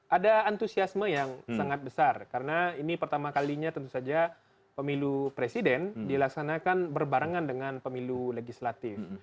ada antusiasme yang sangat besar karena ini pertama kalinya tentu saja pemilu presiden dilaksanakan berbarengan dengan pemilu legislatif